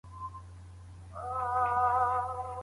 او بېڅنډو افقونو پورې